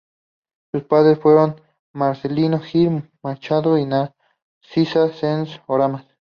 Sus padres fueron Marcelino Gil Machado y Narcisa Sáenz Oramas.